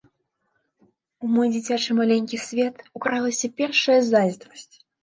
У мой дзіцячы маленькі свет укралася першая зайздрасць.